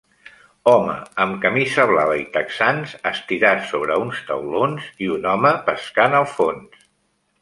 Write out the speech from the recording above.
Home amb camisa blava i texans estirat sobre uns taulons i un home pescant al fons.